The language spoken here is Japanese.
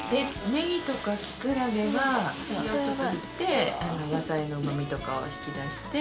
ネギとかキクラゲは塩ちょっと振って野菜のうま味とかを引き出して。